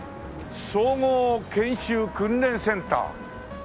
「総合研修訓練センター」